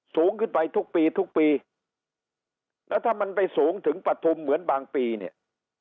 สูงขึ้นไปทุกปีทุกปีแล้วถ้ามันไปสูงถึงปฐุมเหมือนบางปีเนี่ย